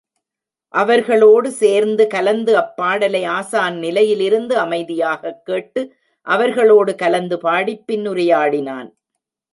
அவர்களோடு சேர்ந்து கலந்து அப்பாடலை ஆசான் நிலையில் இருந்து அமைதியாகக் கேட்டு அவர்களோடு கலந்து பாடிப் பின் உரையாடினான்.